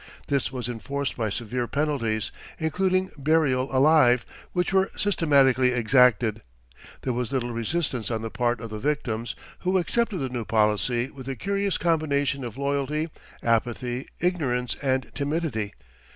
This was enforced by severe penalties, including burial alive, which were systematically exacted. There was little resistance on the part of the victims, who accepted the new policy with a curious combination of loyalty, apathy, ignorance and timidity.